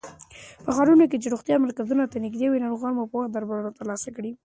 په ښارونو کې چې روغتيايي مرکزونه نږدې وي، ناروغان په وخت درملنه ترلاسه کوي.